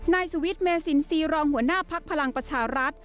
นายสุวิทย์เมสินทรีย์รองหัวหน้าภักดิ์พลังประชารัฐ